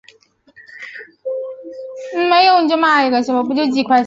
黑盾梭长蝽为长蝽科梭长蝽属下的一个种。